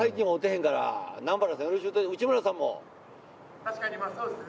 確かにまあそうですね。